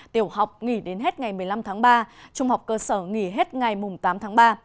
tiểu học nghỉ đến hết ngày một mươi năm tháng ba trung học cơ sở nghỉ hết ngày tám tháng ba